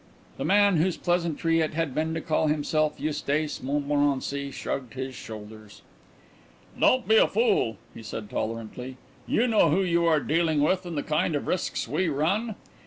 The man whose pleasantry it had been to call himself Eustace Montmorency shrugged his shoulders. "Don't be a fool," he said tolerantly. "You know who you are dealing with and the kind of risks we run.